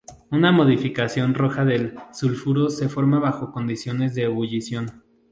Una modificación roja del sulfuro se forma bajo condiciones de ebullición.